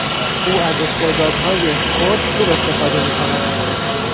او از استعدادهای خود خوب استفاده میکند.